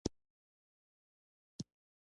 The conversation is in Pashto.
بيا ما خبر کړه چې چرته تلل دي